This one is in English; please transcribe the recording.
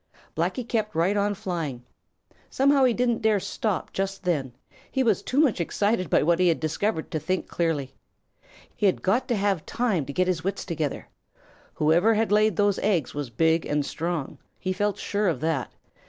Blacky kept right on flying. Somehow he didn't dare stop just then. He was too much excited by what he had discovered to think clearly. He had got to have time to get his wits together. Whoever had laid those eggs was big and strong. He felt sure of that.